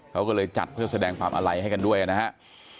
เขาก็เลยจัดเพื่อแสดงความอาลัยให้กันด้วยนะครับ